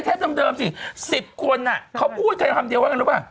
โดยแทบซ้ำเติมสิ๑๐คนอ่ะเขาพูดคำเดียวกันเค้ารู้ปะ